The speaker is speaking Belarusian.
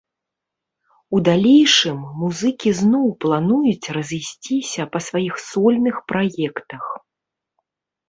У далейшым музыкі зноў плануюць разысціся па сваіх сольных праектах.